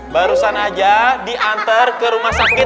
barusan aja diantar ke rumah sakit